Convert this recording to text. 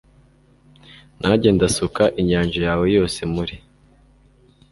Nanjye ndasuka inyanja yawe yose muri